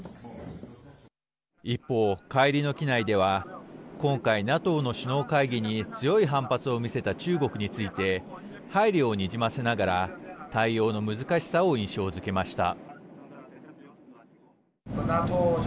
一方、帰りの機内では今回、ＮＡＴＯの首脳会議に強い反発を見せた中国について配慮をにじませながら対応の難しさを印象づけました。